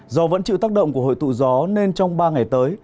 do vẫn chịu tác động của hội tụ gió nên trong ba ngày tới